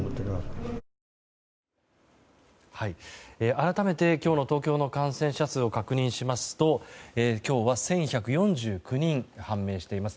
改めて今日の東京の感染者数を確認しますと今日は１１４９人判明しています。